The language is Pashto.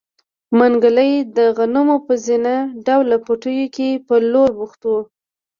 منګلی د غنمو په زينه ډوله پټيو کې په لو بوخت و.